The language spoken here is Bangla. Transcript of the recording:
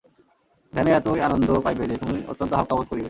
ধ্যানে এতই আনন্দ পাইবে যে, তুমি অত্যন্ত হালকা বোধ করিবে।